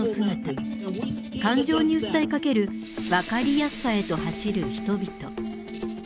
感情に訴えかける「分かりやすさ」へと走る人々。